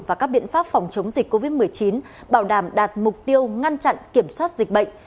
và các biện pháp phòng chống dịch covid một mươi chín bảo đảm đạt mục tiêu ngăn chặn kiểm soát dịch bệnh